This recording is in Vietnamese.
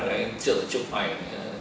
anh ấy tự chụp ảnh